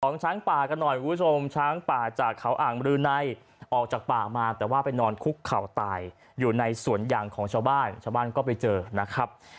ช้างป่ากันหน่อยคุณผู้ชมช้างป่าจากเขาอ่างบรือในออกจากป่ามาแต่ว่าไปนอนคุกเข่าตายอยู่ในสวนยางของชาวบ้านชาวบ้านก็ไปเจอนะครับ